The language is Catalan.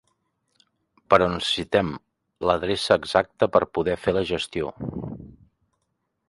Però necessitem l'adreça exacta per poder fer la gestió.